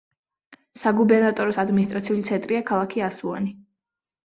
საგუბერნატოროს ადმინისტრაციული ცენტრია ქალაქი ასუანი.